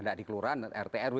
tidak dikeluarkan rt rw